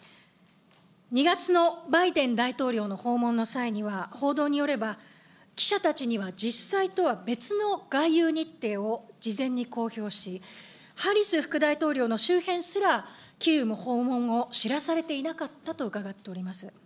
２月のバイデン大統領の訪問の際には、報道によれば、記者たちには実際とは別の外遊日程を事前に公表し、ハリス副大統領の周辺すら、キーウ訪問を知らされていなかったと伺っております。